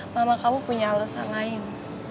mama kamu punya alasan lain